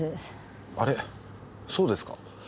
あれっそうですか？